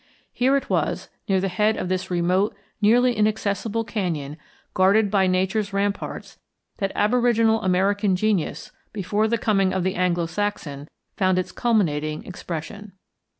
Here it was, near the head of this remote, nearly inaccessible, canyon, guarded by nature's ramparts, that aboriginal American genius before the coming of the Anglo Saxon found its culminating expression.